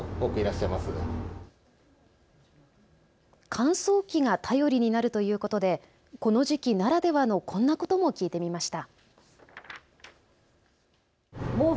乾燥機が頼りになるということでこの時期ならではのこんなことも聞いてみました。